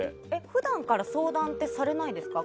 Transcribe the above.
普段から、相談ってされないですか？